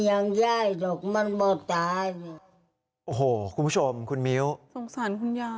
สงสารคุณยาย